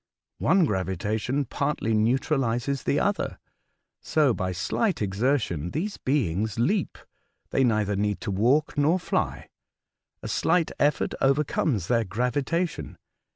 One gravitation partly neutralises the other. So by slight exertion these beings leap, — they neither need to walk nor fly ; a slight effort overcomes their gravitation.